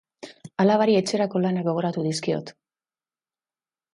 Alabari etxerako lanak gogoratu dizkiot.